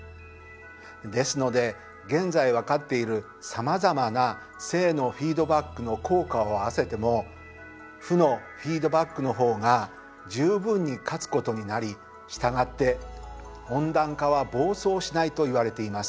ですので現在分かっているさまざまな正のフィードバックの効果を合わせても負のフィードバックの方が十分に勝つことになり従って温暖化は暴走しないといわれています。